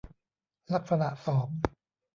ลักษณะสอง